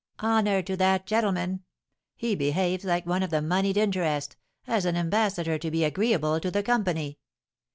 Honour to that gentleman! He behaves like one of the monied interest, as an ambassador to be agreeable to the company!